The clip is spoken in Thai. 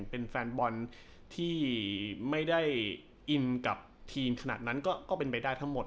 เป็นแฟนบอลที่ไม่ได้อินกับทีมขนาดนั้นก็เป็นไปได้ทั้งหมด